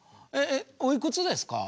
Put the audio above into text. おいくつですか？